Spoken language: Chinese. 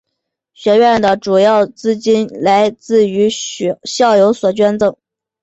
学院的主要资金来自于校友所捐赠。